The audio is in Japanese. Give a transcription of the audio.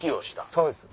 そうです。